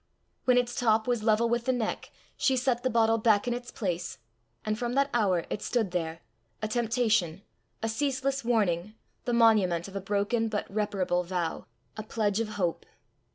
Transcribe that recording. When its top was level with the neck, she set the bottle back in its place, and from that hour it stood there, a temptation, a ceaseless warning, the monument of a broken but reparable vow, a pledge of hope.